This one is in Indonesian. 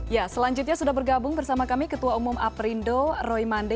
ya selanjutnya sudah bergabung bersama kami ketua umum aprindo roy mande